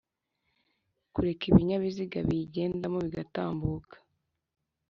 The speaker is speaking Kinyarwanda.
Kureka ibinyabiziga biyigendamo bigatambuka